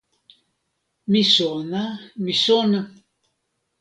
mi sona, mi sona!